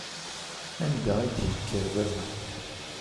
Anda i d-yekker baba.